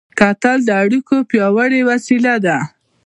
کتل د اړیکو پیاوړې وسیله ده